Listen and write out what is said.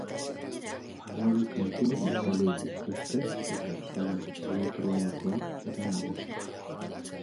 Hamabi kantu bildu dituzte eta soinu elektronikoak dira nagusi.